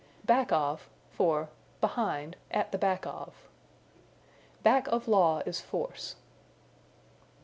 Back of for Behind, At the Back of. "Back of law is force."